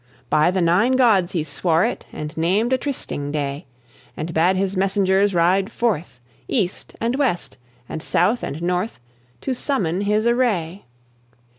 By the Nine Gods he swore it, And named a trysting day, And bade his messengers ride forth, East and west and south and north, To summon his array.